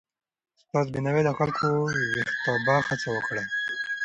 استاد بینوا د خلکو د ویښتابه هڅه وکړه.